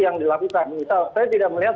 yang dilakukan misal saya tidak melihat